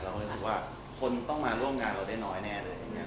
รู้สึกว่าคนต้องมาร่วมงานเราได้น้อยแน่เลย